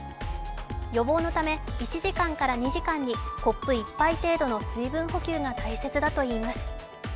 予防のため、１時間から２時間にコップ１杯程度の水分補給が大切だといいます。